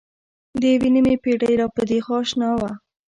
د یوې نیمې پېړۍ را پدېخوا اشنا وه.